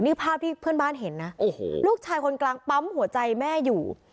นี่ภาพที่เพื่อนบ้านเห็นนะโอ้โหลูกชายคนกลางปั๊มหัวใจแม่อยู่